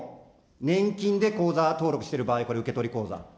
年金で口座登録してる場合、受取口座。